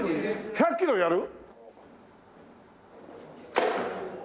１００キロやる！？